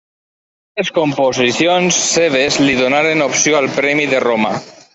Tres composicions seves li donaren opció al premi de Roma.